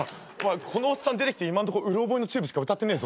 このおっさん出てきて今んとこうろ覚えのＴＵＢＥしか歌ってねえぞ。